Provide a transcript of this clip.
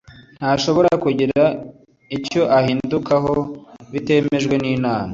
ntashobora kugira icyo ahindukaho bitemejwe n’inama